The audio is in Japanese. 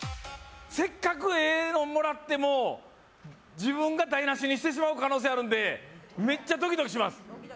せっかくええのもらっても自分が台なしにしてしまう可能性あるんでします